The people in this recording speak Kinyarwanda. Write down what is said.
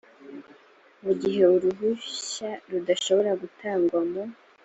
mu gihe uruhushya rudashoboye gutangwa mu